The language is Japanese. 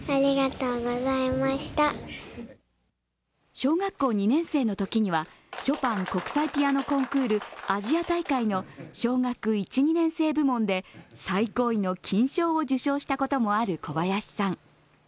小学校２年生のときにはショパン国際ピアノ・コンクールアジア大会の小学１、２年生部門で最高位の金賞を受賞したこともある小林さん。